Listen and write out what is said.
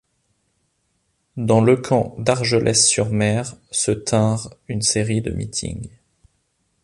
Dans le camp d'Argelès-sur-Mer se tinrent une série de meetings.